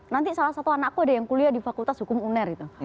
nanti salah satu anakku ada yang kuliah di fakultas hukum uner gitu